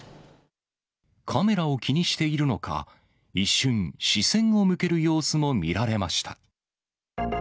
カメラを気にしているのか、一瞬、視線を向ける様子も見られました。